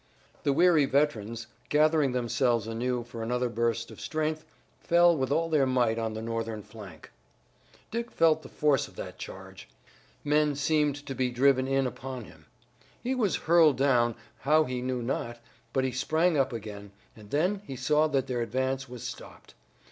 The weary veterans, gathering themselves anew for another burst of strength, fell with all their might on the Northern flank. Dick felt the force of that charge. Men seemed to be driven in upon him. He was hurled down, how he knew not, but he sprang up again, and then he saw that their advance was stopped.